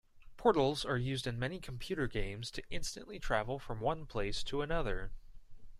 Portals are used in many computer games to instantly travel from one place to another.